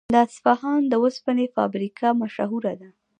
د اصفهان د وسپنې فابریکه مشهوره ده.